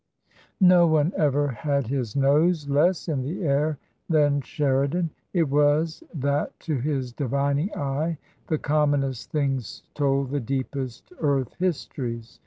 No one ever had his nose less in the air than Sheri dan. It was that to his divining eye the commonest things told the deepest earth histories.